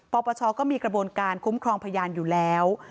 ปปชก็มีกระบวนการคุ้มครองพยานอยู่แล้ว